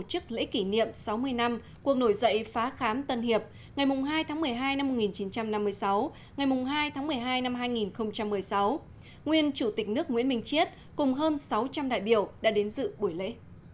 chủ tịch nguyễn thanh tân hiệp ngày hai tháng một mươi hai năm một nghìn chín trăm năm mươi sáu ngày hai tháng một mươi hai năm hai nghìn một mươi sáu nguyên chủ tịch nước nguyễn minh triết cùng hơn sáu trăm linh đại biểu đã đến dự buổi lễ